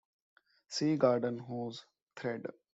See Garden hose thread.